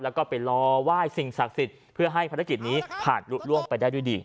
แล้วก็ไปรอไหว้สิ่งศักดิ์สิทธิ์เพื่อให้ภารกิจนี้ผ่านลุล่วงไปได้ด้วยดี